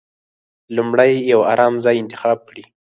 لومړی يو ارام ځای انتخاب کړئ.